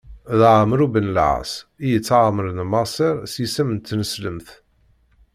D Ɛemru ben Lɛaṣ i yestɛemren Maṣer s yisem n tneslemt.